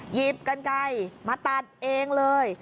หยิบกันไก่มาตัดเองเลย